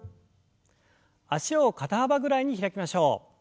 脚を肩幅ぐらいに開きましょう。